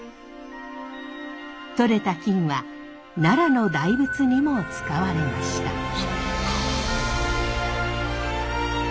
採れた金は奈良の大仏にも使われました。